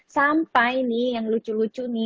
sampai nih yang lucu lucu nih